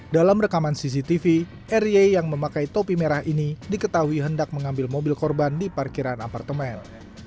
dalam rekaman cctv r y yang memakai topi merah ini diketahui hendak mengambil mobil korban di parkiran apartemen